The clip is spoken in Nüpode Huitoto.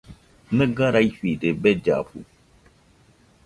Nɨga raifide bellafu.